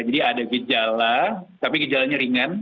jadi ada gejala tapi gejalanya ringan